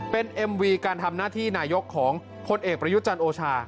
เป็นเอ็มวีการทำหน้าที่นายกของพลเอกประยุจันทร์โอชา